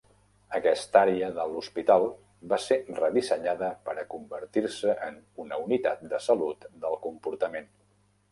Aquesta àrea de l'hospital va ser redissenyada per a convertir-se en una Unitat de Salut del Comportament.